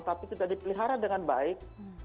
tapi tidak dipelihara dengan baik